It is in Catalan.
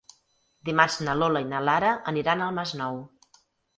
Dimarts na Lola i na Lara aniran al Masnou.